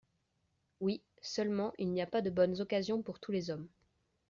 Oui, seulement il n’y a pas de bonnes occasions pour tous les hommes.